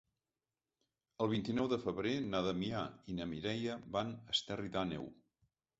El vint-i-nou de febrer na Damià i na Mireia van a Esterri d'Àneu.